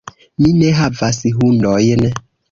Mi ne havas hundojn.